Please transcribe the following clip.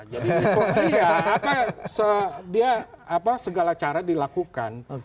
jadi itu iya apa dia segala cara dilakukan